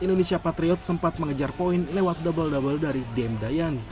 indonesia patriot sempat mengejar poin lewat double double dari dem dayan